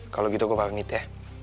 kalau gitu aku pamit ya